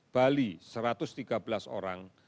bali satu ratus tiga belas orang